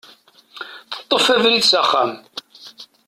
Teṭṭef abrid s axxam.